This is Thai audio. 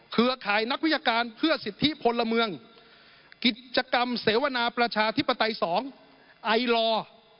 เครือข่ายนักวิชาการเพื่อสิทธิพลเมืองกิจกรรมเสวนาประชาธิปไตย๒ไอลอร์